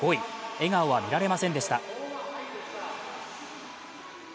笑顔は見られませんでした。